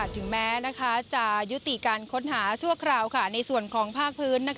ถึงแม้จะยุติการค้นหาชั่วคราวในส่วนของภาคพื้น